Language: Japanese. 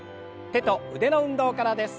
手と腕の運動からです。